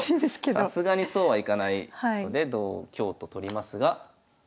さすがにそうはいかないので同香と取りますが。